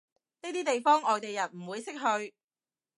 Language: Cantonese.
呢啲地方外地人唔會識去